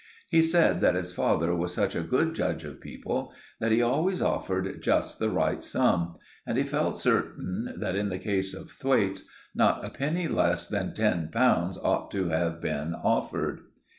He said that his father was such a good judge of people that he always offered just the right sum; and he felt certain that in the case of Thwaites not a penny less than ten pounds ought to have been offered.